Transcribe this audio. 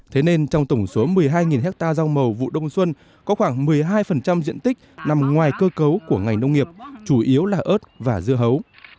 thế nên trong tổng số một mươi hai hectare rau màu vụ đông xuân có khoảng một mươi hai diện tích nằm ngoài cơ cấu của ngành nông nghiệp chủ yếu là ớt và dưa hấu